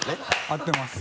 合ってます。